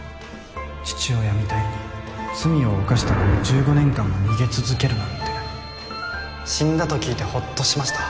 父親みたいに罪を犯したまま１５年間も逃げ続けるなんて死んだと聞いてホッとしました。